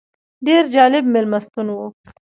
ډېر جالب مېلمستون و.